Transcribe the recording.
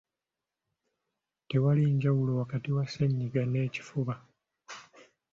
Tewali njawulo wakati wa ssennyiga n'ekifuba.